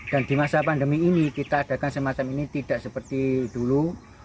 dan di masa pandemi ini kita adakan semacam ini tidak seperti dulu